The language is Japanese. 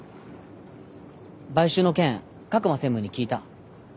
買収の件格馬専務に聞いた。